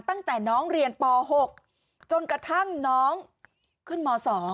ตั้งแต่น้องเรียนป๖จนกระทั่งน้องขึ้นม๒